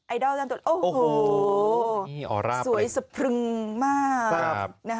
ไอดอลโอ้โหสวยสะพรึงมาก